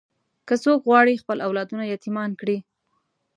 که څوک غواړي خپل اولادونه یتیمان کړي.